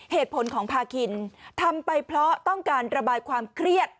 เหตุผลของพาคินทำไปเพราะต้องการระบายความเครียด